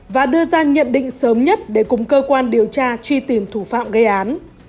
và đưa ra nhận định sớm nhất để cùng cơ quan điều tra truy tìm thủ phạm gây án